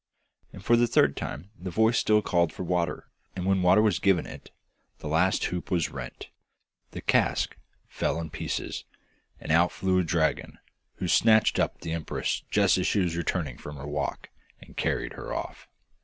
And for the third time the voice still called for water; and when water was given it the last hoop was rent, the cask fell in pieces, and out flew a dragon, who snatched up the empress just as she was returning from her walk, and carried her off.